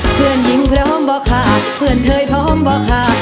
เพื่อนยิ้มพร้อมป่ะค่ะเพื่อนเธอพร้อมป่ะค่ะ